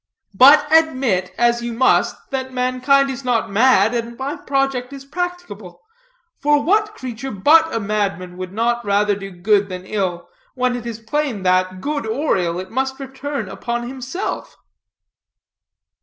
But admit, as you must, that mankind is not mad, and my project is practicable. For, what creature but a madman would not rather do good than ill, when it is plain that, good or ill, it must return upon himself?"